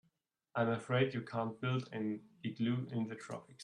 I'm afraid you can't build an igloo in the tropics.